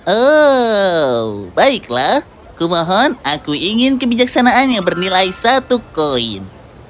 oh baiklah kumohon aku ingin kebijaksanaannya bernilai satu koin